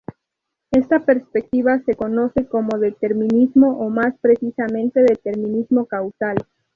Esta perspectiva se conoce como determinismo o más precisamente determinismo causal.